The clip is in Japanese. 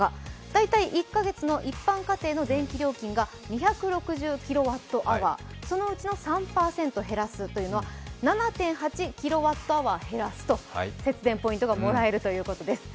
大体１か月の一般過程の電気料金が２６０ｋＷｈ、そのうちの３％減らすというのは７．８キロワットアワー減らす、そうすると節電ポイントがもらえるということです。